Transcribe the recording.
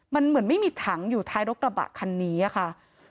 มันเหมือนไม่มีถังอยู่ท้ายรถกระบะคันนี้ค่ะ